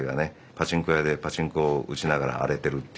パチンコ屋でパチンコを打ちながら荒れてるっていうかね。